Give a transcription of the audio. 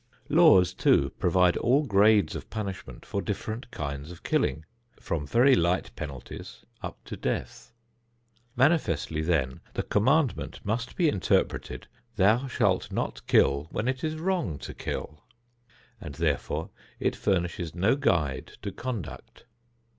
Laws, too, provide all grades of punishment for different kinds of killing, from very light penalties up to death. Manifestly, then, the commandment must be interpreted, "Thou shalt not kill when it is wrong to kill," and therefore it furnishes no guide to conduct.